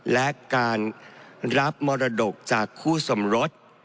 และการรับมรดกจากคู่สมรส